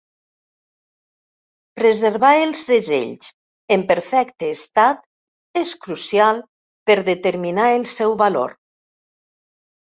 Preservar els segells en perfecte estat és crucial per determinar el seu valor.